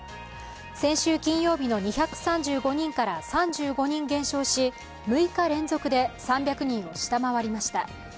先週金曜日の２３５人から３５人減少し６日連続で３００人を下回りました。